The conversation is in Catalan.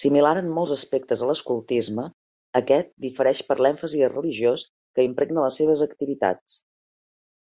Similar en molts aspectes a l'escoltisme, aquest difereix per l'èmfasi religiós que impregna les seves activitats.